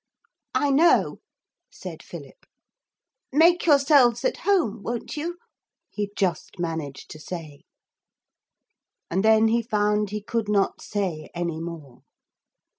'I know,' said Philip; 'make yourselves at home, won't you?' he just managed to say. And then he found he could not say any more.